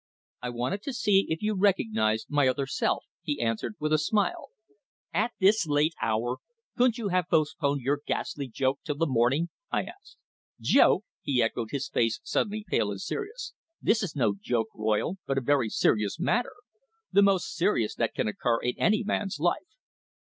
"I wanted to see if you recognised my other self," he answered with a smile. "At this late hour? Couldn't you have postponed your ghastly joke till the morning?" I asked. "Joke!" he echoed, his face suddenly pale and serious. "This is no joke, Royle, but a very serious matter. The most serious that can occur in any man's life."